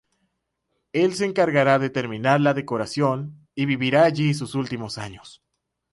Él se encargará de terminar la decoración y vivirá allí sus últimos años.